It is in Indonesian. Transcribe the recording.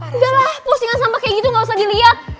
nggak lah postingan sampah kayak gitu nggak usah dilihat